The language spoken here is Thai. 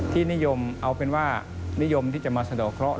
ที่นิยมเอาเป็นว่านิยมที่จะมาสะดอกเคราะห